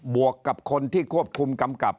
วกกับคนที่ควบคุมกำกับ